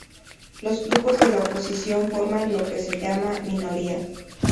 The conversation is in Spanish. Los grupos de la oposición forman lo que se llama minorías.